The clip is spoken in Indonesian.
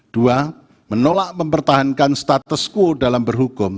dua menolak mempertahankan status quo dalam berhukum